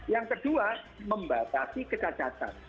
yang kedua membatasi kecacatan